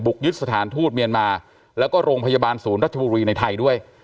ยึดสถานทูตเมียนมาแล้วก็โรงพยาบาลศูนย์รัชบุรีในไทยด้วย